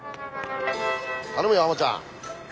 頼むよハマちゃん。